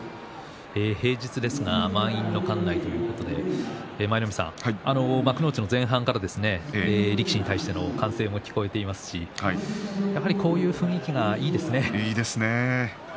平日ですが満員の館内ということで幕内の前半から力士に対しての歓声も聞こえていますしやっぱり、こういう雰囲気がいいですね。